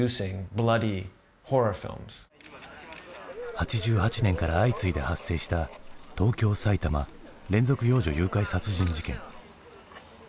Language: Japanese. ８８年から相次いで発生した東京・埼玉連続幼女誘拐殺人事件。